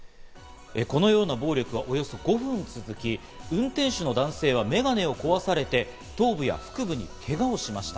このような暴力は、およそ５分続き、運転手の男性は眼鏡を壊されて、頭部や腹部にけがをしました。